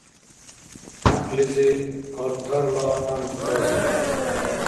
Някълизи палтарла гӀянд касиб.